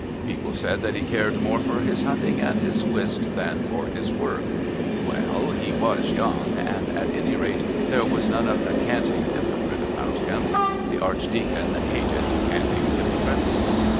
People said that he cared more for his hunting and his whist than for his work well, he was young and, at any rate, there was none of the canting hypocrite about him. The Archdeacon hated canting hypocrites!